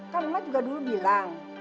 kan lu kan juga dulu bilang